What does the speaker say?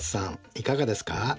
いかがですか？